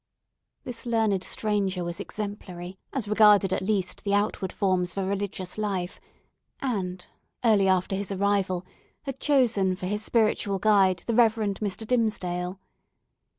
This learned stranger was exemplary as regarded at least the outward forms of a religious life; and early after his arrival, had chosen for his spiritual guide the Reverend Mr. Dimmesdale.